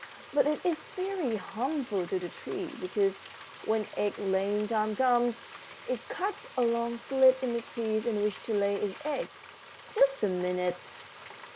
But it is very harmful to the tree, because when egg laying time comes it cuts a long slit in the trees in which to lay its eggs. Just a minute!"